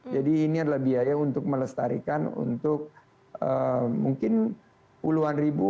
jadi ini adalah biaya untuk melestarikan untuk mungkin puluhan ribu